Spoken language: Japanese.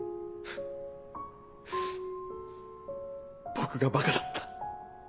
僕が馬鹿だった。